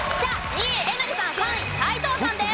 ２位えなりさん３位斎藤さんです。